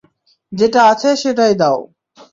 যেটা আছে সেটাই দাও।